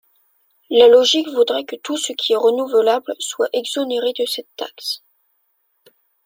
La logique voudrait que tout ce qui est renouvelable soit exonéré de cette taxe.